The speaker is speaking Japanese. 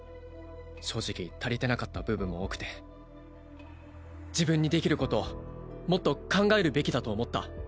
正直足りてなかった部分も多くて自分にできることをもっと考えるべきだと思った。